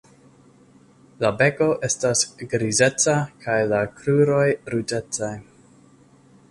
La beko estas grizeca kaj la kruroj ruĝecaj.